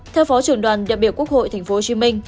theo phó trưởng đoàn đại biểu quốc hội tp hcm